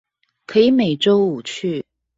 可以每週五去